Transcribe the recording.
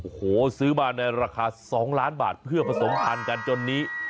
โอ้โหซื้อมาในราคา๒ล้านบาทเพื่อผสมพันธุ์กันจนนี้